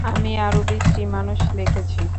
আমি আরও বিশ্রী মানুষ দেখেছি।